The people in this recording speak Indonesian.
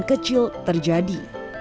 kejadian kecil terjadi